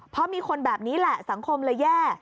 เพราะมีคนแบบนี้แหละสังคมเลยแย่